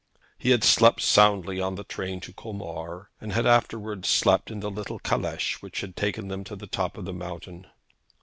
He had slept soundly in the train to Colmar, and had afterwards slept in the little caleche which had taken them to the top of the mountain.